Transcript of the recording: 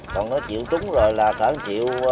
còn nó chịu trúng rồi là cả một triệu